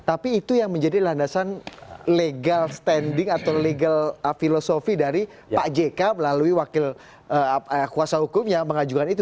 tapi itu yang menjadi landasan legal standing atau legal filosofi dari pak jk melalui wakil kuasa hukum yang mengajukan itu